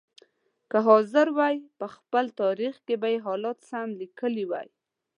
که حاضر وای په خپل تاریخ کې به یې حالات سم لیکلي وای.